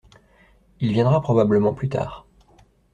Il viendra probablement plus tard.